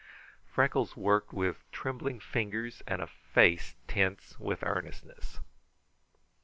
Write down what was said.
Freckles worked with trembling fingers and a face tense with earnestness.